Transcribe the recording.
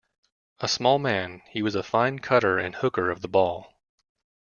A small man, he was a fine cutter and hooker of the ball.